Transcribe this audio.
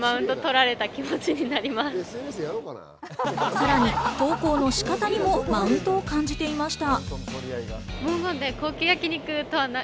さらに投稿の仕方にもマウントを感じていました。